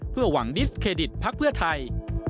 เพื่อหวังดิสเครดิตภักดิ์เพื่อไทย